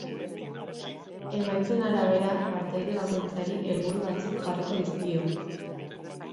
Emaitzen arabera, partaide bakoitzari helburu batzuk jarriko dizkio.